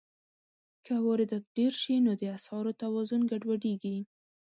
که واردات ډېر شي، نو د اسعارو توازن ګډوډېږي.